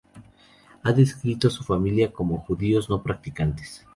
Ha descrito a su familia como "judíos no practicantes.